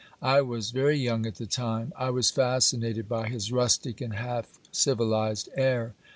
I was very young at the time. I was fascinated by his rustic and half civilised air.